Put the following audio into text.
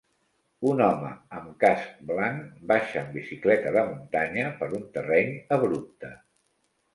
Un home amb casc blanc baixa en bicicleta de muntanya per un terreny abrupte.